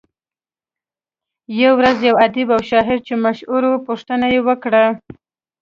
يوه ورځ يو ادیب او شاعر چې مشهور وو پوښتنه وکړه.